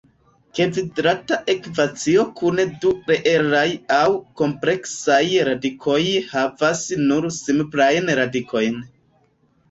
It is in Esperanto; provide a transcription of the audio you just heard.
Kvadrata ekvacio kun du reelaj aŭ kompleksaj radikoj havas nur simplajn radikojn.